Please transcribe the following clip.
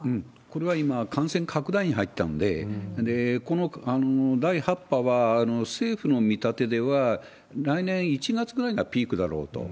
これは感染拡大に入ったので、この第８波は、政府の見立てでは、来年１月ぐらいがピークだろうと。